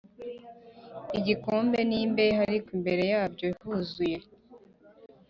Igikombe n imbehe ariko imbere yabyo huzuye